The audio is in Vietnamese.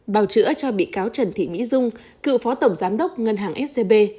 bào chữa cho bị cáo trần thị mỹ dung cựu phó tổng giám đốc ngân hàng scb